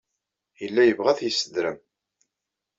Yella yebɣa ad t-yessedrem.